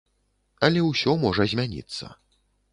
Але ўсё можа змяніцца.